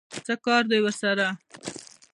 څه کار دی ورسره؟